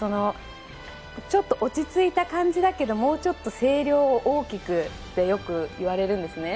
ちょっと落ち着いた感じだけどもうちょっと声量を大きくとよく言われるんですね